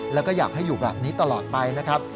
แล้วก็อยากให้อยู่แบบนี้ตลอดไปนะครับ